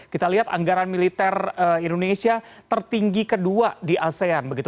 kita lihat anggaran militer indonesia tertinggi kedua di asean begitu